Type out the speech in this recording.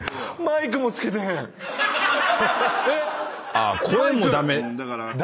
あ声も駄目。